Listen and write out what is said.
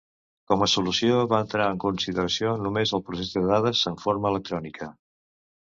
Com a solució va entrar en consideració només el procés de dades en forma electrònica.